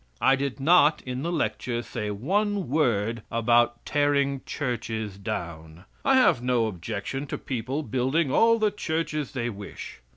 I did not in the lecture say one word about tearing churches down. I have no objection to people building all the churches they wish.